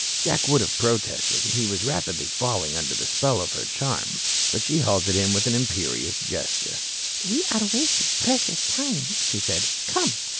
Jack would have protested. He was rapidly falling under the spell of her charm. But she halted him with an imperious gesture. "We are wasting precious time," she said. "Come."